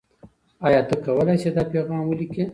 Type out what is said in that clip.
آیا ته کولای سې دا پیغام ولیکې؟